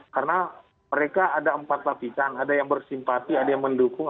karena mereka ada empat latihan ada yang bersimpati ada yang mendukung